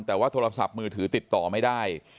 แต่ว่าโทรศัพท์มือถือติดต่อไม่ได้